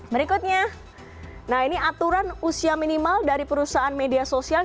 berikutnya nah ini aturan usia minimal dari perusahaan media sosial